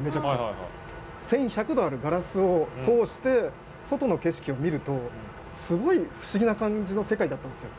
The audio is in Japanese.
１，１００℃あるガラスを通して外の景色を見るとすごい不思議な感じの世界だったんですよ。